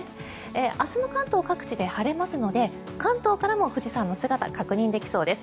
明日の関東各地で晴れますので関東からも富士山の姿確認できそうです。